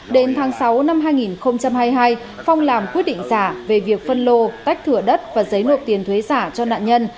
đến tháng sáu năm hai nghìn hai mươi hai phong làm quyết định giả về việc phân lô tách thửa đất và giấy nộp tiền thuế giả cho nạn nhân